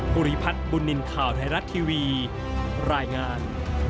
ภูริพัฒน์บุญนินทร์ข่าวไทยรัฐทีวีรายงาน